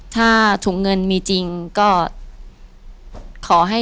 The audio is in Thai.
อยู่ที่แม่ศรีวิรัยิลครับ